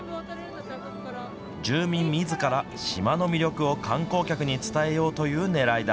住民みずから島の魅力を観光客に伝えようというねらいだ。